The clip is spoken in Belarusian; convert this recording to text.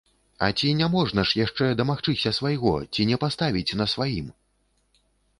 А ці няможна ж яшчэ дамагчыся свайго, ці не паставіць на сваім?